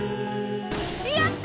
やった！